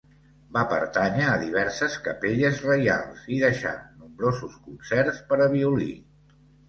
Va pertànyer a diverses capelles reials i deixà nombrosos concerts per a violí.